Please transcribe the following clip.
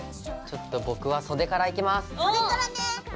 ちょっと僕は袖からいきます！